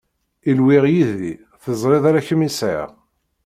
Ilwiɣ yid-i, teẓriḍ ala kem i sɛiɣ